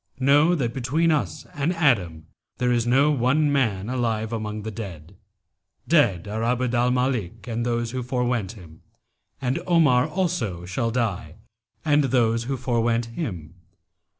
Know that between us and Adam there is no one man alive among the dead. Dead are Abd al Malik and those who forewent him, and Omar also shall die and those who forewent him.'